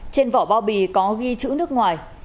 trên vỏ bao bì có ghi chữ nước ngoài